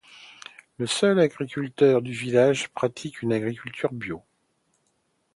Le seul agriculteur du village pratique une agriculture bio.